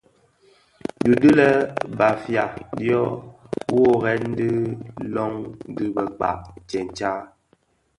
Di i di lè Bafia dyo worè bi löň dhi bëkpag tsentsa.